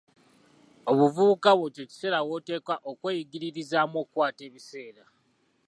Obuvubuka bwo kye kiseera woteekwa okweyigiririzaamu okukwata ebiseera.